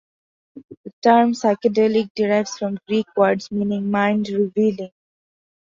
The term "psychedelic" derives from Greek words meaning "mind revealing".